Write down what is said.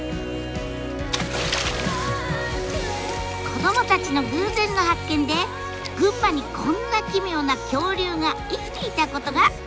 子どもたちの偶然の発見で群馬にこんな奇妙な恐竜が生きていたことが分かったんです。